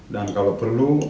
dan kalau perlu